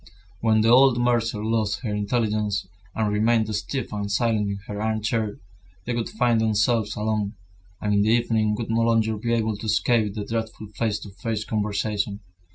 When the old mercer lost her intelligence, and remained stiff and silent in her armchair, they would find themselves alone, and in the evening would no longer be able to escape the dreadful face to face conversation.